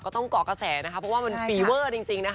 ก็ต้องกรอกกระแสนะคะเพราะว่ามันฟีเวอร์จริง